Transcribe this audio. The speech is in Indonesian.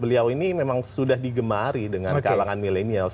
beliau ini memang sudah digemari dengan kalangan milenials